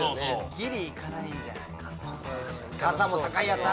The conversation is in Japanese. ギリいかないんじゃない？